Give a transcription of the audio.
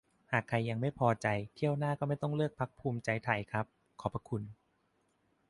"หากใครยังไม่พอใจ เที่ยวหน้าก็ไม่ต้องเลือกพรรคภูมิใจไทยครับ ขอบพระคุณ"